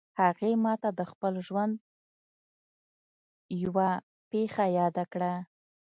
هغې ما ته د خپل ژوند یوه پېښه یاده کړه